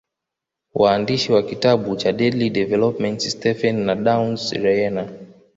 Waandishi wa kitabu cha Deadly Developments Stephen na Downs Reyna